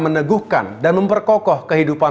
meneguhkan dan memperkokoh kehidupan